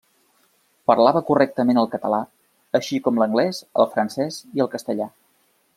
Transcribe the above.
Parlava correntment el català així com l'anglès, el francès i el castellà.